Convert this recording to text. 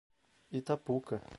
Itapuca